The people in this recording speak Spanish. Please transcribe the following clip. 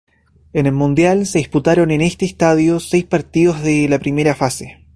En el Mundial, se disputaron en este estadio seis partidos de la primera fase.